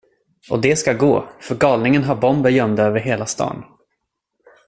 Och det ska gå, för galningen har bomber gömda över hela stan.